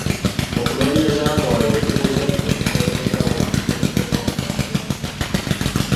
Okunoonyereza kwabwe we kutuuse ku butemu obwenjawulo obuzze bukolebwa ku bantu abagundiivu.